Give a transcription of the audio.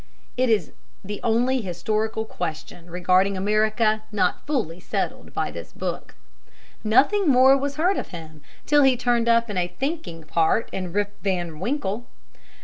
It is the only historical question regarding America not fully settled by this book. Nothing more was heard of him till he turned up in a thinking part in "Rip Van Winkle."